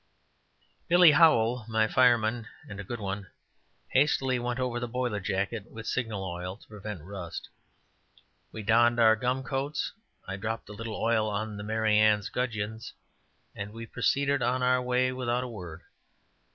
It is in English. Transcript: Billy Howell, my fireman, and a good one, hastily went over the boiler jacket with signal oil, to prevent rust; we donned our gum coats; I dropped a little oil on the "Mary Ann's" gudgeon's, and we proceeded on our way without a word.